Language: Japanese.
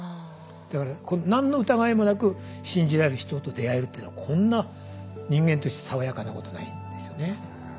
だから何の疑いもなく信じられる人と出会えるっていうのはこんな人間として爽やかなことないんですよね。